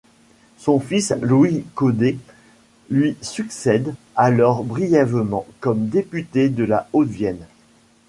Son fils Louis Codet lui succède alors brièvement comme député de la Haute-Vienne.